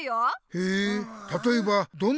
へえたとえばどんなあだ名？